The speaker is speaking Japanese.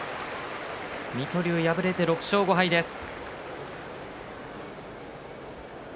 水戸龍、敗れて６勝５敗です。